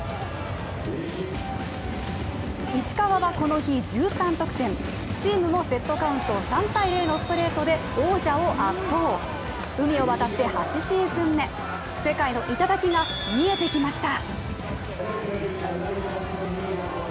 石川はこの日１３得点、チームもセットカウント３−０のストレートで王者を圧倒海を渡って８シーズン目、世界の頂が見えてきました。